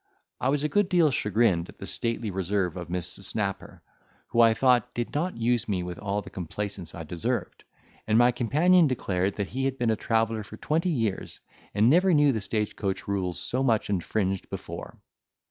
I was a good deal chagrined at the stately reserve of Mrs. Snapper, who, I thought, did not use me with all the complaisance I deserved; and my companion declared that he had been a traveller for twenty years, and never knew the stage coach rules so much infringed before.